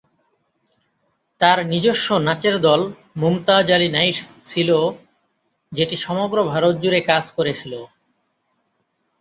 তার নিজস্ব নাচের দল "মুমতাজ আলী নাইটস" ছিল, যেটি সমগ্র ভারত জুড়ে কাজ করেছিল।